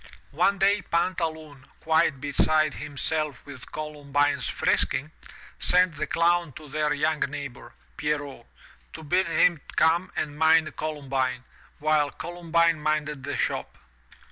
One day Pantaloon, quite beside himself with Columbine's frisking, sent the Clown to their young neighbor, Pierrot, to bid him come and mind Columbine, while Columbine minded the shop.